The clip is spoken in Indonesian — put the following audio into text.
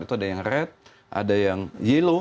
ada yang red ada yang yellow